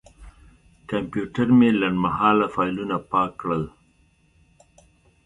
کمپیوټر مې لنډمهاله فایلونه پاک کړل.